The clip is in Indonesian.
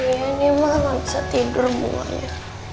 ya ini malah gak bisa tidur bunganya